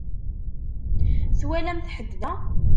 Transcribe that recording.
Twalamt ḥedd da?